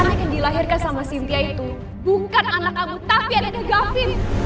anak yang dilahirkan sama sintia itu bukan anak kamu tapi anaknya gavin